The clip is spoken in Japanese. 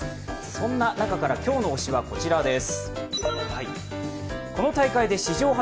そんな中から、今日の推しはこちらです。